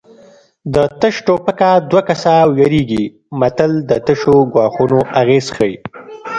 د تش ټوپکه دوه کسه ویرېږي متل د تشو ګواښونو اغېز ښيي